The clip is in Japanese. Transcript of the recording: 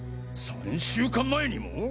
３週間前にも？